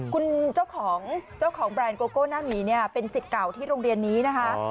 คุณเจ้าของเจ้าของแบรนด์โกโก้หน้าหมีเนี่ยเป็นสิทธิ์เก่าที่โรงเรียนนี้นะคะ